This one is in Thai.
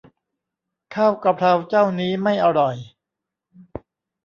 ข้าวกะเพราเจ้านี้ไม่อร่อย